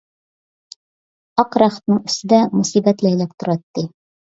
ئاق رەختنىڭ ئۈستىدە مۇسىبەت لەيلەپ تۇراتتى.